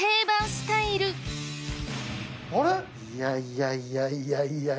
いやいやいやいや。